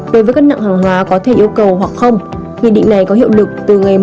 đối với các nặng hàng hóa có thể yêu cầu hoặc không nghị định này có hiệu lực từ ngày một chín hai nghìn hai mươi hai